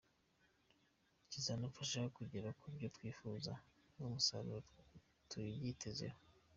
Kizanafasha kugera ku byo twifuza, ni wo musaruro tugitezeho.